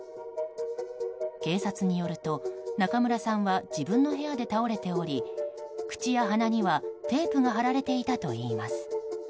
警察によると、中村さんは自分の部屋で倒れており口や鼻には、テープが貼られていたといいます。